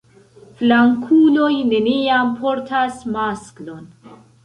Flankuloj neniam portas maskon.